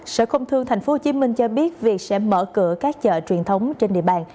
sở công thương tp hcm cho biết việc sẽ mở cửa các chợ truyền thống trên địa bàn